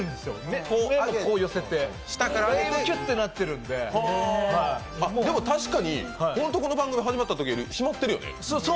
目も寄せて、キュッてなってるんで確かに、この番組が始まったときよりも締まってるよね。